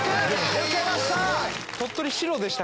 抜けました。